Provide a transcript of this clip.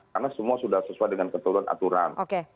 karena semua sudah sesuai dengan keturunan aturan